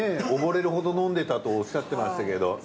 溺れるほど飲んでたとおっしゃってましたけど。